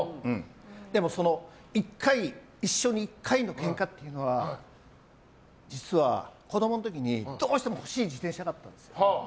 でも、一生に１回のけんかというのは実は子供の時にどうしても欲しい自転車があったんです。